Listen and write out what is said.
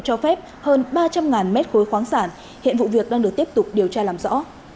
cho phép hơn ba trăm linh mét khối khoáng sản hiện vụ việc đang được tiếp tục điều tra làm rõ